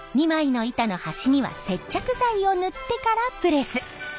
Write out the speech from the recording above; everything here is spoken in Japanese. ２枚の板の端には接着剤を塗ってからプレス。